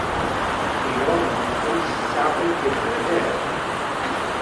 Io non plus sape que creder.